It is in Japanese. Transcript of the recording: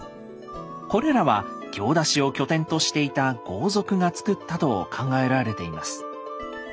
これらは行田市を拠点としていた豪族が作ったと考えられています。